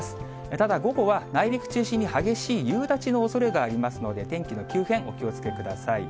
ただ、午後は内陸中心に激しい夕立のおそれがありますので、天気の急変、お気をつけください。